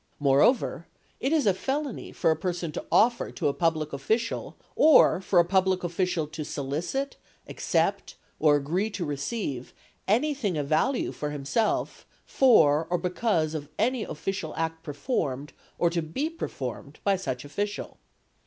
3 Moreover, it is a felony for a person to offer to a public official or for a public official to solicit, accept or agree to receive anything of value for himself "for or because of any official act performed or to be performed" by such official.